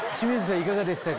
いかがでしたか？